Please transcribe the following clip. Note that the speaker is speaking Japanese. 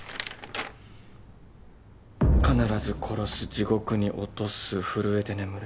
「必ず殺す地獄に落とす震えて眠れ」。